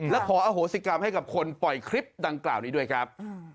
และขออโหสิกรรมให้กับคนปล่อยคลิปดังกล่าวนี้ด้วยครับ